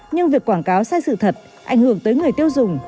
nhưng việc quảng cáo sai sự thật ảnh hưởng tới người tiêu dùng